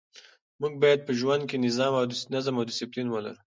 موږ باید په ژوند کې نظم او ډسپلین ولرو.